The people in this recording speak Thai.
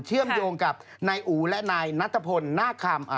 เชื่อมโยงกับนายอู๋และนายนัทพลนาคคำ